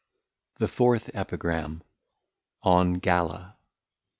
The Fourth EPIGRAM. On GALLA.